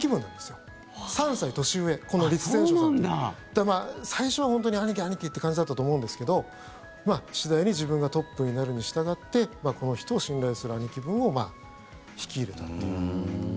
だから、最初は本当に兄貴、兄貴って感じだったと思うんですけど次第に自分がトップになるにしたがってこの人を、信頼する兄貴分を引き入れたという。